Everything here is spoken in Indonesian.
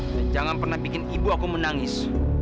dan jangan pernah bikin ibu aku menangis